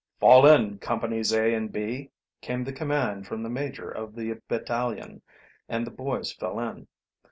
"Fall in, Companies A and B!" came the command from the major of the battalion, and the boys fell in.